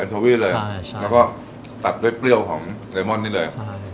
ทวีเลยใช่ใช่แล้วก็ตัดด้วยเปรี้ยวของเดมอนนี่เลยใช่